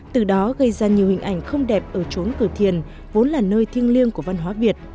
từ đó gây ra nhiều hình ảnh không đẹp ở trốn cửa thiền vốn là nơi thiêng liêng của văn hóa việt